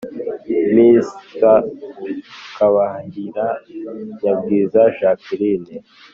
Mrs kabaharira nyabwiza jacqueline